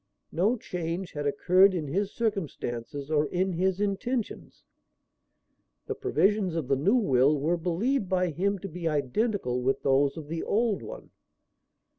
No change had occurred in his circumstances or in his intentions. The provisions of the new will were believed by him to be identical with those of the old one.